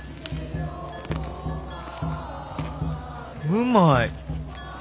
うまい！